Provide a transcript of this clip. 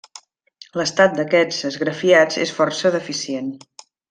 L'estat d'aquests esgrafiats és força deficient.